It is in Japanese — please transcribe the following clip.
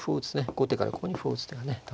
後手からここに歩を打つ手がね楽しみ。